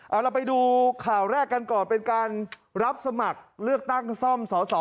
เอาเราไปดูข่าวแรกกันก่อนเป็นการรับสมัครเลือกตั้งซ่อมสอสอ